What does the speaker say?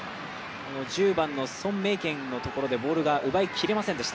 １０番のソン・メイケンのところでボールが奪えませんでした。